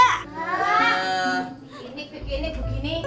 begini begini begini